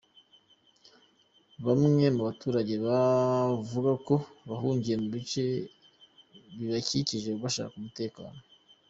Bamwe mu baturage bavuga ko bahungiye mu bice bibakikije bashaka umutekano.